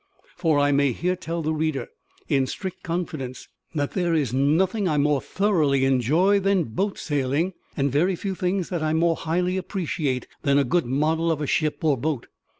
For I may here tell the reader, in strict confidence, that there is nothing I more thoroughly enjoy than boat sailing, and very few things that I more highly appreciate than a good model of a ship or boat.